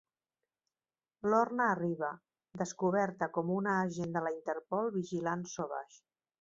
Lorna arriba, descoberta com una agent de la Interpol vigilant Sauvage.